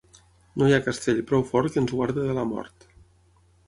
No hi ha castell prou fort que ens guardi de la mort.